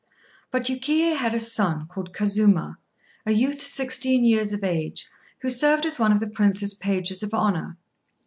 But Yukiyé had a son, called Kazuma, a youth sixteen years of age, who served as one of the Prince's pages of honour.